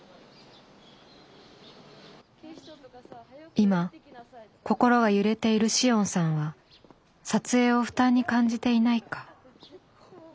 今心が揺れている紫桜さんは撮影を負担に感じていないか。